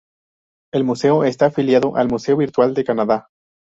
El Museo está afiliado al Museo virtual de Canadá.